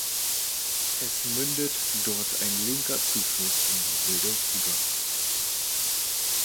Es mündet dort ein linker Zufluss in die Wilde Rodach.